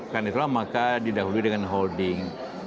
karena itulah maka didahului dengan holding